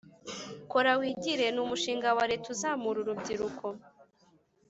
Kora wigire numushinga wareta uzamura urubyiruko